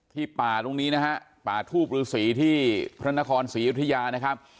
ที่ป่าตรงนี้นะฮะป่าทูบหรือสีที่พระนครสีอุทิยานะครับ